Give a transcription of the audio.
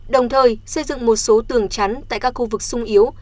đồng thời xây dựng một số tường chắn tại các khu vực sung yếu